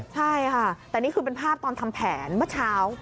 ใช่ค่ะแต่นี่คือเป็นภาพตอนทำแผนเมื่อเช้า